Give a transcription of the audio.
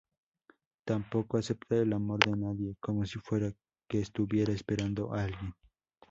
Tampoco acepta el amor de nadie, como si fuera que estuviera esperando a alguien.